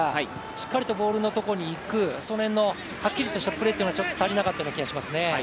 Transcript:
しっかりとボールのところに行くその辺のはっきりしたプレーというのが、足りなかったような気がしますね。